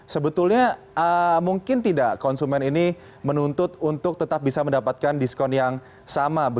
sebetulnya mungkin tidak konsumen ini menuntut untuk tetap bisa mendapatkan diskon yang sama